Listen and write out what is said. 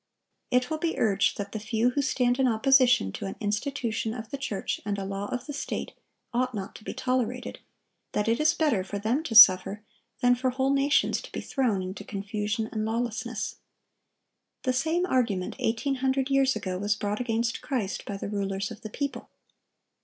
It will be urged that the few who stand in opposition to an institution of the church and a law of the state, ought not to be tolerated; that it is better for them to suffer than for whole nations to be thrown into confusion and lawlessness. The same argument eighteen hundred years ago was brought against Christ by the "rulers of the people."